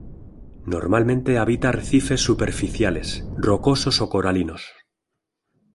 Normalmente habita arrecifes superficiales, rocosos o coralinos.